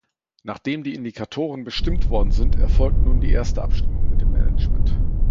Nachdem die Indikatoren bestimmt worden sind, erfolgt nun die erste Abstimmung mit dem Management.